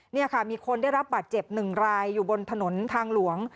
นี่ค่ะมีคนได้รับบาดเจ็บ๑รายอยู่บนถนนทางหลวง